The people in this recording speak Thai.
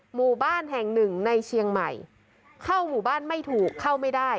หมู่บ้านแห่งหนึ่งในเชียงใหม่เข้าหมู่บ้านไม่ถูกเข้าไม่ได้